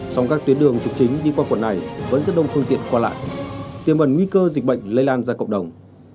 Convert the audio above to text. trong các tuyến đường chục chính đi qua quận này vẫn rất đông phương tiện qua lại tuyên bần nguy cơ dịch bệnh lây lan ra cộng đồng